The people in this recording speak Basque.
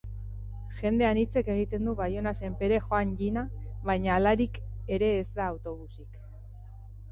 Jende anitzek egiten du Baiona-Senpere joan-jina, baina halarik ere ez da autobusik.